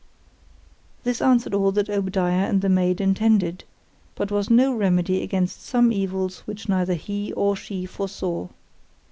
This answered all that Obadiah and the maid intended; but was no remedy against some evils which neither he or she foresaw.